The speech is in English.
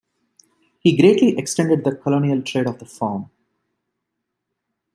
He greatly extended the colonial trade of the firm.